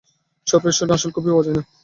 সব রেস্টুরেন্টে আসল কফি পাওয়া যায় না।